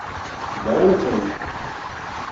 Brant-am.